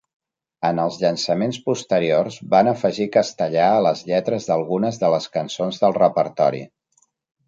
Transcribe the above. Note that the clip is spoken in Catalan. En els llançaments posteriors, van afegir castellà a les lletres d'algunes de les cançons del repertori.